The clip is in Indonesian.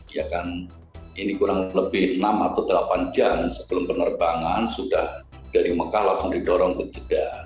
ya kan ini kurang lebih enam atau delapan jam sebelum penerbangan sudah dari mekah langsung didorong ke jeddah